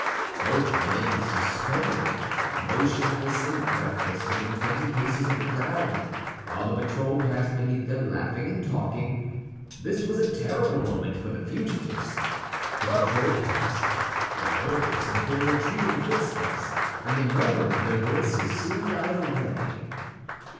Both remained suspended, motionless and breathless, within twenty paces of the ground, while the patrol passed beneath them laughing and talking. This was a terrible moment for the fugitives. The patrol passed. The noise of their retreating footsteps and the murmur of their voices soon died away.